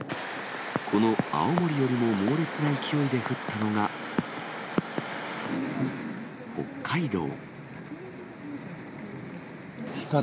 この青森よりも猛烈な勢いで降ったのが、北海道。